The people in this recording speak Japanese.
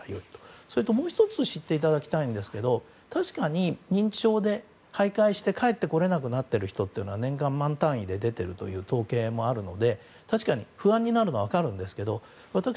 それともう１つ知っていただきたいんですが確かに認知症で徘徊して帰ってこれなくなっている人って年間、万単位で出ているという統計もあるので確かに不安になるのは分かるんですが私、